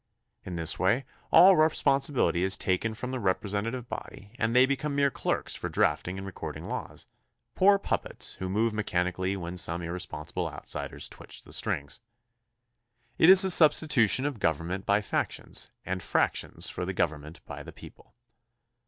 In this way all respon sibiHty is taken from the representative body and they become mere clerks for drafting and recording laws, poor puppets who move mechanically when some ir responsible outsiders twitch the strings. It is the sub THE CONSTITUTION AND ITS MAKERS 59 stitution of government by factions and fractions for government by the people.